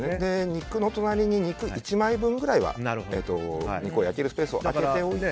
肉の隣に肉１枚分ぐらいは肉を焼けるスペースを空けておいて。